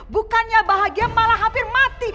bukannya bahagia malah hampir mati